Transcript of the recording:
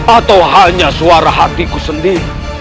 atau hanya suara hatiku sendiri